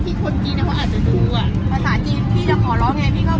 ทีนี้เราจะเลือกการยังไงต่อไปใช่ไหม